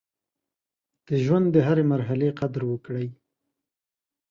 د ژوند د هرې مرحلې قدر وکړئ.